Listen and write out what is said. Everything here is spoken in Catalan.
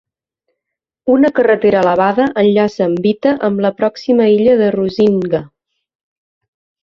Una carretera elevada enllaça Mbita amb la pròxima illa de Rusinga.